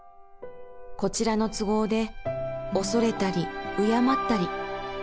こちらの都合で恐れたり敬ったり。